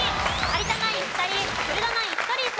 有田ナイン